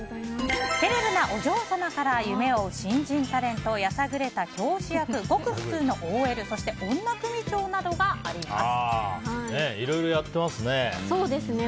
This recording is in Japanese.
セレブなお嬢様から夢を追う新人タレントやさぐれた教師役ごく普通のＯＬいろいろやってますね。